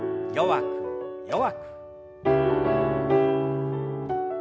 弱く弱く。